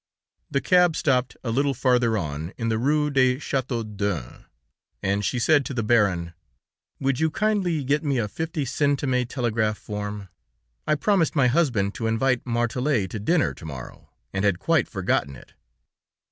The cab stopped a little farther on, in the Rue de Châteaudun, and she said to the Baron: "Would you kindly get me a fifty centimes telegraph form? I promised my husband to invite Martelet to dinner to morrow, and had quite forgotten it."